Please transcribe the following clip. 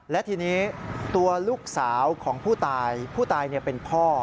และทีนี้ตัวลูกสาวของผู้ตายผู้ตายเป็นพ่อ